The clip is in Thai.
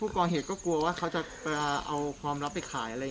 ผู้กรเหตุก็กลัวว่าเขาจะเอาความรับไปขายอะไรหรือ